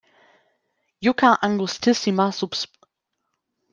Yucca angustissima subsp.